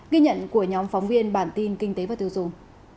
ghi nhận của nhóm phóng viên bản tin kinh tế và tiêu dùng